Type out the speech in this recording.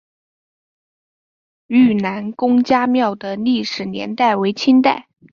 愈南公家庙的历史年代为清代。